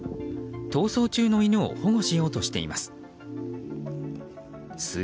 逃走中の犬を保護しようとしています。